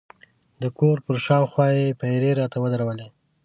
د کور پر شاوخوا یې پیرې راته ودرولې.